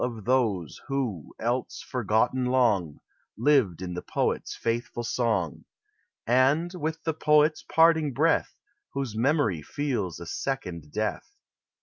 355 Of those, who, else forgotten long, Lived in the poet's faithful song, And, with the poet's parting breath, Whose memory feels a second death.